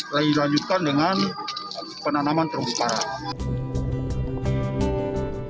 lagi dilanjutkan dengan penanaman terumbu karang